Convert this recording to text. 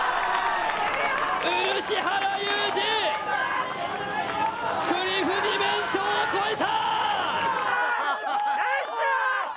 漆原裕治、クリフディメンションを越えた！